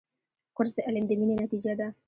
کورس د علم د مینې نتیجه ده.